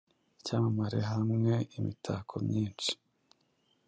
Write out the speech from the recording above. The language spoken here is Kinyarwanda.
Icyamamare hamweImitako myinshi